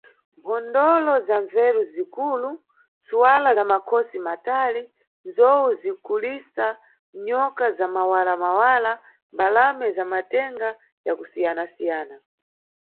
Mphondolo za mbverere zikulu, ntswala za makhosi matali, nzowu zikulisa, nyoka za mawala-mawala, mbalame za matenga yakusiyana-siyana .